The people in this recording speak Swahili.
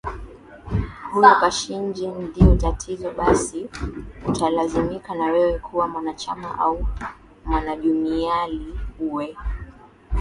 huyo kashinje ndio tatizo basi utalazimika na wewe kuwa mwanachama au mwanajumuiyaIli uwe